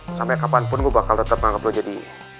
put sampai kapanpun gue bakal tetep nganggep lo jadi